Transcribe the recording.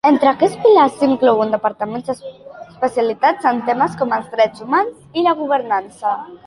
Entre aquests pilars, s'inclouen departaments especialitzats en temes com els drets humans i la governança.